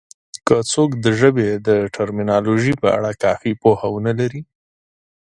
که څوک د ژبې د ټرمینالوژي په اړه کافي پوهه ونه لري